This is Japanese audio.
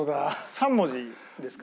３文字ですか？